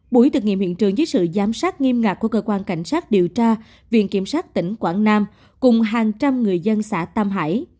buổi thực nghiệm hiện trường dưới sự giám sát nghiêm ngạc của cơ quan cảnh sát điều tra viện kiểm sát tỉnh quảng nam cùng hàng trăm người dân xã tam hải